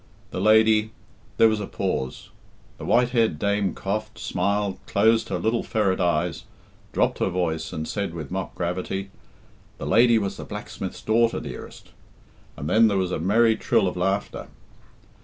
"The lady " there was a pause; the white haired dame coughed, smiled, closed her little ferret eyes, dropped her voice, and said with mock gravity, "The lady was the blacksmith's daughter, dearest." And then there was a merry trill of laughter.